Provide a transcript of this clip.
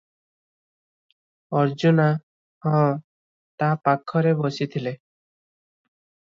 ଅର୍ଜୁନା - "ହଁ, ତା ପାଖରେ ବସିଥିଲେ ।"